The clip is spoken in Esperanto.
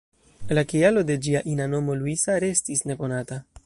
La kialo de ĝia ina nomo ""Luisa"" restis nekonata.